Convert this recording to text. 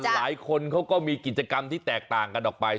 หลายคนเขาก็มีกิจกรรมที่แตกต่างกันออกไป